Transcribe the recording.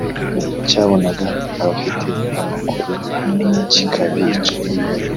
cyabonaga abafite amakoro kikabica,